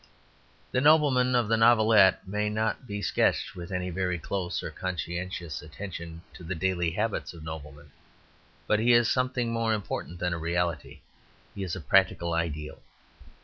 The nobleman of the novelette may not be sketched with any very close or conscientious attention to the daily habits of noblemen. But he is something more important than a reality; he is a practical ideal.